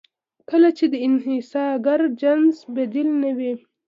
کله چې د انحصارګر جنس بدیل نه وي.